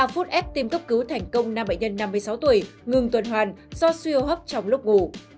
ba phút f tiêm cấp cứu thành công năm bệnh nhân năm mươi sáu tuổi ngừng tuần hoàn do siêu hấp trong lúc ngủ